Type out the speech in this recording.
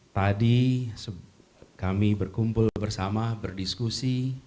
tadi kami berkumpul bersama berdiskusi